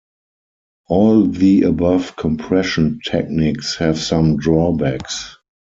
All the above compression techniques have some drawbacks.